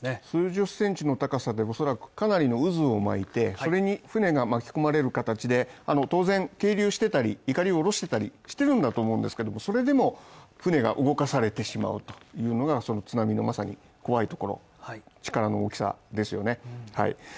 数十センチの高さでも、おそらくかなりの渦を巻いて、それに船が巻き込まれる形で当然、係留してたり、いかりを下ろしてたりしてるんだと思うんですけどもそれでも船が動かされてしまうというのがその津波のまさに怖いところ力の大きさですよね。